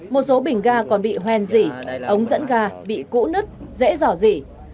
một số bình ga còn bị hoen dị ống dẫn ga bị củ nứt dễ dỏ dị